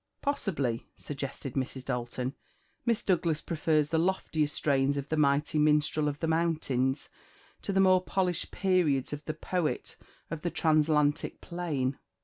"Possibly," suggested Mrs. Dalton, "Miss Douglas prefers the loftier strains of the mighty Minstrel of the Mountains to the more polished periods of the Poet of the Transatlantic Plain."